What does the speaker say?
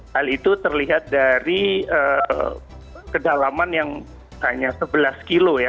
hal itu terlihat dari kedalaman yang hanya sebelas kilo ya